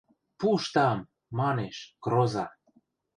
– Пуштам! – манеш, кроза.